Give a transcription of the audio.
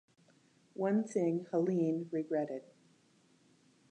One thing Helene regretted.